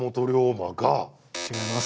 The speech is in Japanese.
違います。